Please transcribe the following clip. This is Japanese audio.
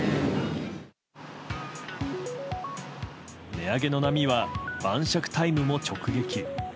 値上げの波は晩酌タイムも直撃。